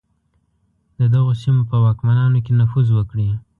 د دغو سیمو په واکمنانو کې نفوذ وکړي.